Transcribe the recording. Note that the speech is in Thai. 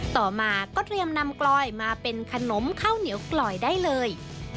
ต่อมาก็เตรียมนำกลอยมาเป็นขนมข้าวเหนียวกลอยได้เลย